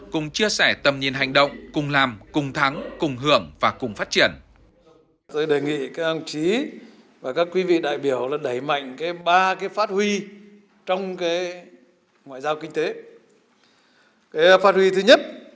cùng chia sẻ tầm nhìn hành động cùng làm cùng thắng cùng hưởng và cùng phát triển